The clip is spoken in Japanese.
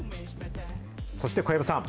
そして小籔さん。